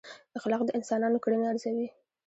اخلاق د انسانانو کړنې ارزوي.